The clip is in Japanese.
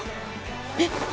えっ？